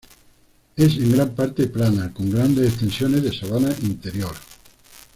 Es en gran parte plana, con grandes extensiones de sabana interior.